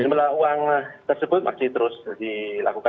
jumlah uang tersebut masih terus dilakukan